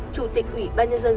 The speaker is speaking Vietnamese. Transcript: chủ tịch ủy ban nhân dân